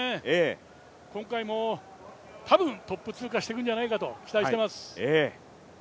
今回も多分、トップ通過していくんじゃないかと期待しています。